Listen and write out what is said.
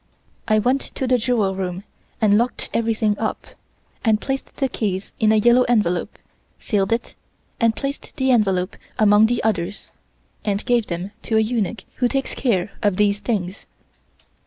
I went to the jewel room and locked everything up, and placed the keys in a yellow envelope, sealed it, and placed the envelope among the others, and gave them to a eunuch who takes care of these things.